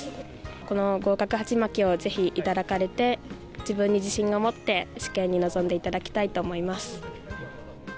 この合格はちまきをぜひいただかれて、自分に自信を持って、試験に臨んでいただきたいと思います。